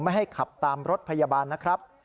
ไม่ให้ขับตามรถพยาบาลนะครับ